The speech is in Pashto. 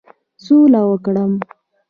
سوله وکړم.